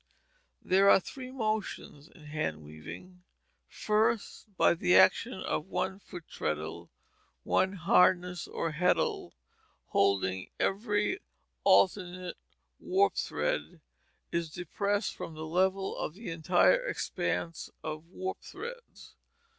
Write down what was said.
There are three motions in hand weaving. First: by the action of one foot treadle one harness or heddle, holding every alternate warp thread, is depressed from the level of the entire expanse of warp threads.